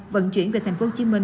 vận chuyển về tp hcm